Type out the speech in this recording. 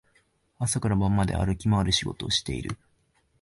朝から晩まで歩き回る仕事をしている